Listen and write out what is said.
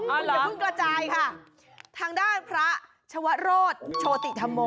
อ้าวเหรอคุณจะพูดกระจายค่ะทางด้านพระชวรรษโชติธรรม